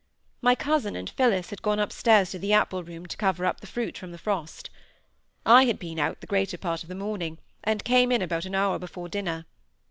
My cousin and Phillis had gone up stairs to the apple room to cover up the fruit from the frost. I had been out the greater part of the morning, and came in about an hour before dinner.